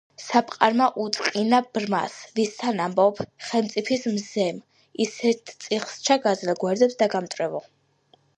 საპყარმა უწყინა ბრმას: ვისთან ამბობ? ხელმწიფის მზემ, ისეთ წიხლს ჩაგაზელ, გვერდებს დაგამტვრევო!